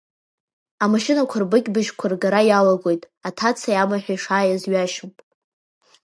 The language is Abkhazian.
Амашьынақәа рбыкь бжьқәа ргара иалагоит, аҭацеи амаҳәи шааиз ҩашьом.